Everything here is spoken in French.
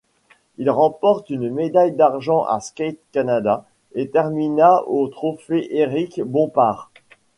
Il remporte une médaille d'argent à Skate Canada et termina au Trophée Éric-Bompard.